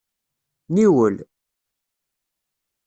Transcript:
Niwel.